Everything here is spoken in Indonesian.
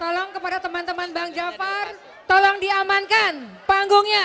tolong kepada teman teman bang jafar tolong diamankan panggungnya